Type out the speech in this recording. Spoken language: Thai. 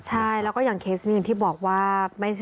ใช่แล้วก็อย่างเคสนี้อย่างที่บอกว่า